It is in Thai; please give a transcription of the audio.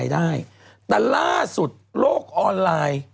คุณหมอโดนกระช่าคุณหมอโดนกระช่า